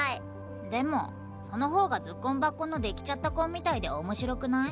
でもその方がズッ婚バッ婚のできちゃった婚みたいで面白くない？